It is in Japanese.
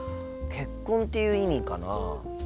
「結婚」っていう意味かな？